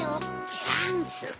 チャンス！